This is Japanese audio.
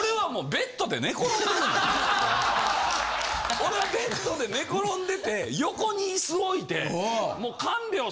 俺はベッドで寝転んでて横に椅子置いて。